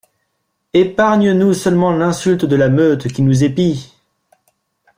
Epargne-nous seulement l'insulte de la meute qui nous épie!